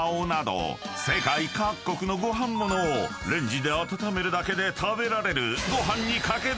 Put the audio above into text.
［世界各国のご飯ものをレンジで温めるだけで食べられる］